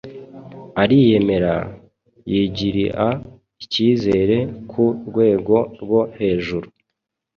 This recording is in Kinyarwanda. ariyemera, yigiria icyizere ku rwego rwo hejuru